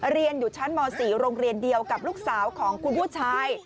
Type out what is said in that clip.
เรียนอยู่ชั้นม๔โรงเรียนเดียวกับลูกสาวของคุณผู้ชาย